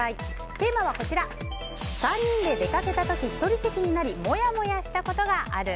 テーマは、３人で出かけた時１人席になりモヤモヤした事がある？